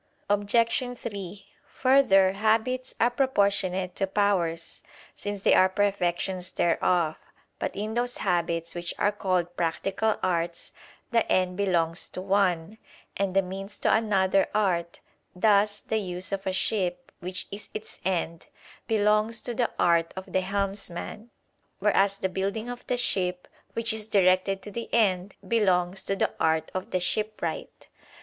Obj. 3: Further, habits are proportionate to powers, since they are perfections thereof. But in those habits which are called practical arts, the end belongs to one, and the means to another art; thus the use of a ship, which is its end, belongs to the (art of the) helmsman; whereas the building of the ship, which is directed to the end, belongs to the art of the shipwright.